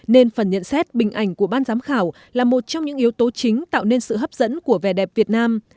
nên phần nhận xét bình ảnh của ban giám khảo là một trong những yếu tố chính tạo nên sự hấp dẫn của vẻ đẹp việt nam